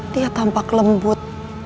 dia tampak lembut